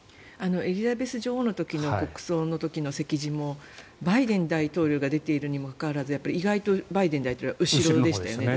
エリザベス女王の時の国葬の時の席次もバイデン大統領が出ているにもかかわらず意外とバイデン大統領は後ろでしたよね。